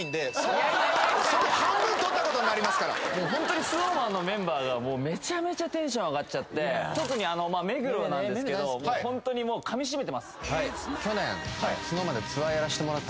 僕あのホントにＳｎｏｗＭａｎのメンバーがメチャメチャテンション上がっちゃって特にあの目黒なんですけどホントにもうかみしめてます